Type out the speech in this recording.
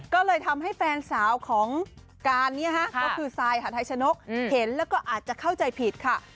ก็เลยทำให้แฟนสาวของการนี้ก็คือซายหาทัยชนกเห็นแล้วก็อาจจะเข้าใจผิดค่ะ